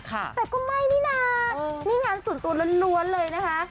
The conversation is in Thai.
แต่ก็ไม่นี่นะนี่งานส่วนตัวล้วนเลยนะคะ